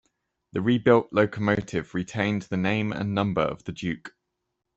The rebuilt locomotive retained the name and number of the Duke.